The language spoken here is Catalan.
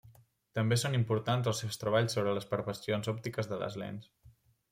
També són importants els seus treballs sobre les perversions òptiques de les lents.